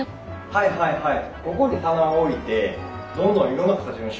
はいはいはい。